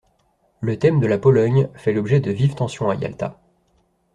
Le thème de la Pologne fait l’objet de vives tensions à Yalta.